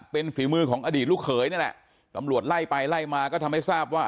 เป็นฝีมือของอดีตลูกเขยนี่แหละตำรวจไล่ไปไล่มาก็ทำให้ทราบว่า